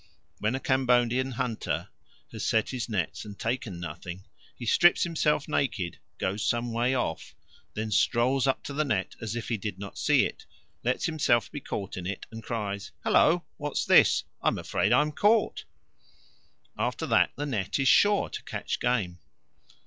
When a Cambodian hunter has set his nets and taken nothing, he strips himself naked, goes some way off, then strolls up to the net as if he did not see it, lets himself be caught in it, and cries, "Hillo! what's this? I'm afraid I'm caught." After that the net is sure to catch game.